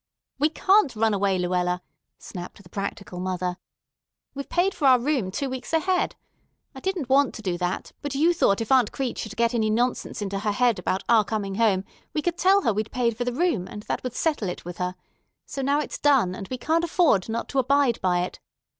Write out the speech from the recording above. "We can't run away, Luella," snapped the practical mother. "We've paid for our room two weeks ahead. I didn't want to do that; but you thought if Aunt Crete should get any nonsense into her head about our coming home, we could tell we'd paid for the room, and that would settle it with her. So now it's done, and we can't afford not to abide by it.